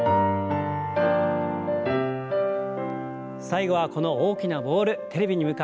最後はこの大きなボールテレビに向かって投げてみましょう。